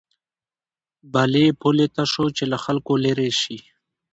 بلې پولې ته شو چې له خلکو لېرې شي.